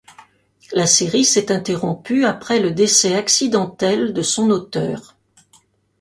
La série s'est interrompue après le décès accidentel de son auteur.